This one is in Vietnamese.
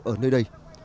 ở nơi đây